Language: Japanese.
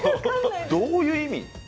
どういう意味？